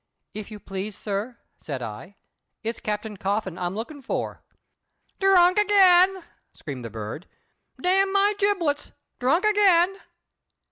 "If you please, sir," said I, "it's Captain Coffin I'm looking for." "Drunk again!" screamed the bird. "Damn my giblets, drunk again!"